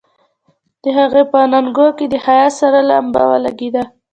د هغې په اننګو کې د حيا سره لمبه ولګېده.